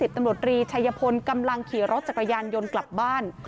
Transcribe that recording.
ตำรวจรีชัยพลกำลังขี่รถจักรยานยนต์กลับบ้าน